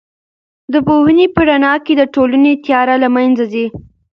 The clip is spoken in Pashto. د پوهنې په رڼا کې د ټولنې تیاره له منځه ځي.